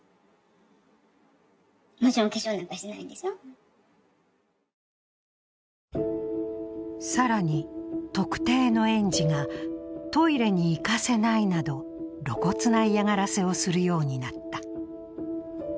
ところが、初登園の日更に特定の園児が、トイレに行かせないなど露骨な嫌がらせをするようになった。